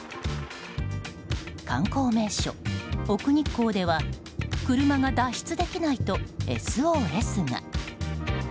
観光名所・奥日光では車が脱出できないとＳＯＳが。